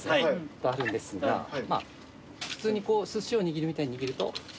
とあるんですがまぁ普通にこうすしを握るみたいに握ると。